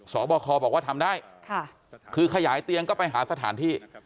สอบคอบอกว่าทำได้คือขยายเตียงก็ไปหาสถานที่